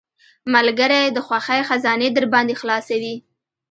ملګری د خوښۍ خزانې درباندې خلاصوي.